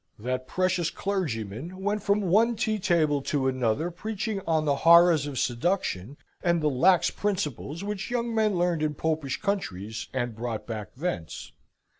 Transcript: That precious clergyman went from one tea table to another preaching on the horrors of seduction, and the lax principles which young men learned in popish countries and brought back thence.